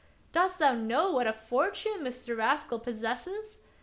Dost thou know what a fortune Mr. Rascal possesses